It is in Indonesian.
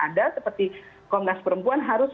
ada seperti komnas perempuan harus